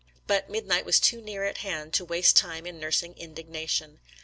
But midnight was too near at hand to waste time in nursing indignation.